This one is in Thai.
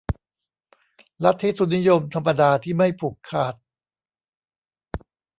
ลัทธิทุนนิยมธรรมดาที่ไม่ผูกขาด